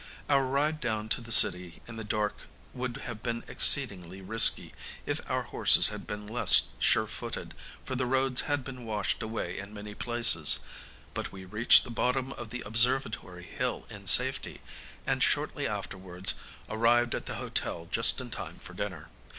Our ride down to the city in the dark would have been exceedingly risky if our horses had been less sure footed, for the roads had been washed away in many places, but we reached the bottom of the Observatory hill in safety, and shortly afterwards arrived at the hotel just in time for dinner.